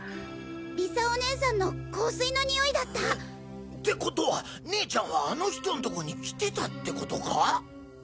理沙お姉さんの香水のにおいだった！ってことは姉ちゃんはあの人のとこに来てたって事か？